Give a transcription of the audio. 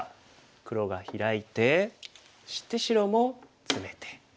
黒がヒラいてそして白もツメて。